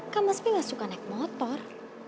kak mas pih gak suka naik motor